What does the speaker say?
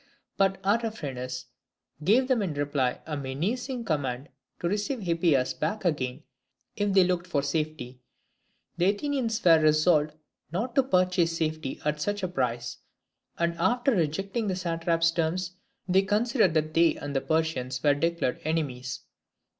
But Artaphernes gave them in reply a menacing command to receive Hippias back again if they looked for safety. The Athenians were resolved not to purchase safety at such a price; and after rejecting the satrap's terms, they considered that they and the Persians were declared enemies.